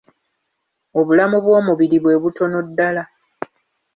Obulamu bw'omubiri gwe butono ddala.